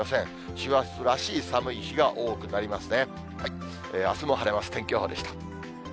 師走らしい寒い日が多くなりますね。